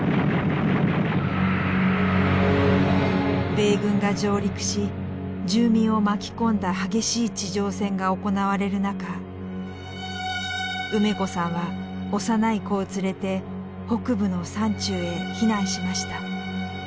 米軍が上陸し住民を巻き込んだ激しい地上戦が行われる中梅子さんは幼い子を連れて北部の山中へ避難しました。